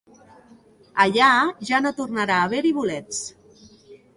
Allà, ja no tornarà a haver-hi bolets.